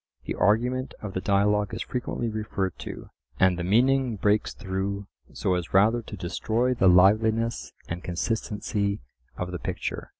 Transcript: The argument of the dialogue is frequently referred to, and the meaning breaks through so as rather to destroy the liveliness and consistency of the picture.